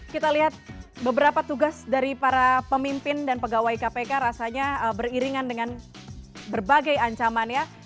kita lihat beberapa tugas dari para pemimpin dan pegawai kpk rasanya beriringan dengan berbagai ancaman ya